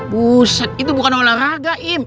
pusat itu bukan olahraga im